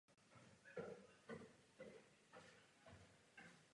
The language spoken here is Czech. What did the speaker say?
Pod pseudonymem Norman Cook vystupuje dodnes.